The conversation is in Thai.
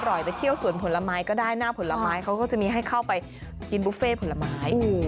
ไปเที่ยวสวนผลไม้ก็ได้หน้าผลไม้เขาก็จะมีให้เข้าไปกินบุฟเฟ่ผลไม้